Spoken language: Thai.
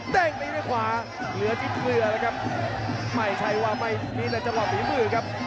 เต้งที่ในขวาเหลือ๑๐เฮ้ยไม่ใช่หรอกครับ